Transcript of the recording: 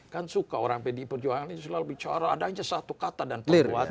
kan suka orang pd perjuangan ini selalu bicara ada aja satu kata dan perbuatan